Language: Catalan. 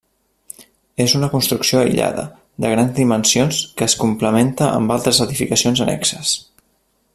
És una construcció aïllada, de grans dimensions que es complementa amb altres edificacions annexes.